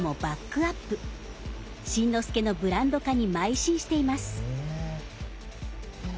新之助のブランド化にまい進しています。